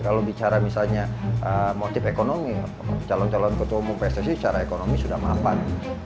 kalau bicara misalnya motif ekonomi calon calon ketua umum pssi secara ekonomi sudah mapan